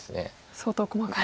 相当細かい。